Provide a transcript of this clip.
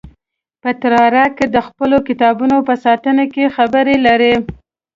پترارک د خپلو کتابونو په ستاینه کې خبرې لري.